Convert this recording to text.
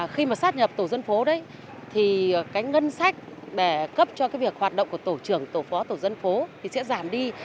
khi mà sát nhập tổ dân phố đấy thì cái ngân sách để cấp cho cái việc hoạt động của tổ trưởng tổ phó tổ dân phố thì sẽ giảm đi